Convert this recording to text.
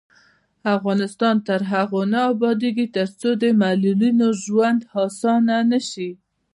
افغانستان تر هغو نه ابادیږي، ترڅو د معلولینو ژوند اسانه نشي.